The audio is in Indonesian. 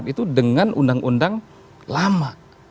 untuk itu kita sudah menggunakan undang undang lama